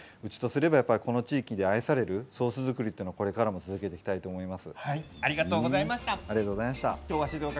この地域で愛されるソース作りをこれからも続けていきたいと思います。